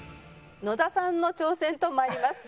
野田さんの挑戦と参ります。